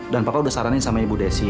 dan bapak udah saranin sama ibu desi